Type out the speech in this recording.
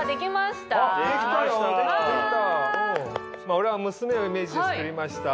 俺は娘をイメージして作りました。